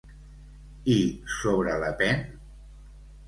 I sobre Le Pen?